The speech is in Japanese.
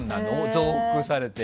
増幅されて。